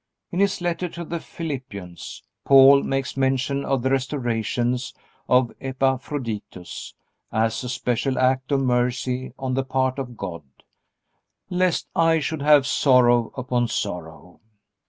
In his letter to the Philippians Paul makes mention of the restoration of Epaphroditus as a special act of mercy on the part of God, "lest I should have sorrow upon sorrow."